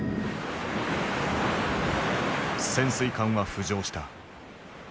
潜水艦は浮上した。